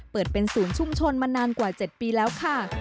เปิดเป็นศูนย์ชุมชนมานานกว่า๗ปีแล้วค่ะ